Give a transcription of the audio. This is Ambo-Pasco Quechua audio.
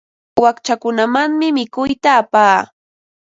Wakchakunamanmi mikuyta apaa.